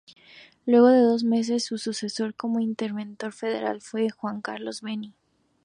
Luego de dos meses, su sucesor como interventor federal fue Juan Carlos Beni.